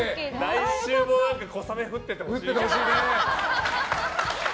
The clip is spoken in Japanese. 来週も小雨降っていてほしいな。